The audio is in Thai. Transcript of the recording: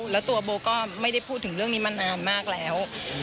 แล้วตัวโบก็ไม่ได้พูดถึงเรื่องนี้มานานมากแล้ว